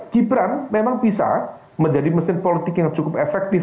gibran memang bisa menjadi mesin politik yang cukup efektif